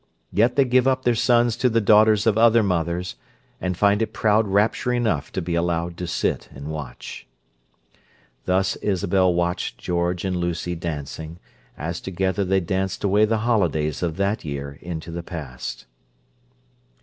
Yet they give up their sons to the daughters of other mothers, and find it proud rapture enough to be allowed to sit and watch. Thus Isabel watched George and Lucy dancing, as together they danced away the holidays of that year into the past.